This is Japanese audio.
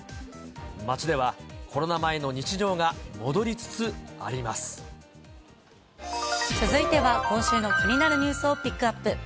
街では、コロナ前の日常が戻りつ続いては、今週の気になるニュースをピックアップ。